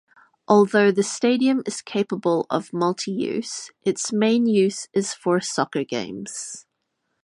Although the stadium is capable of multi-use, its main use is for soccer games.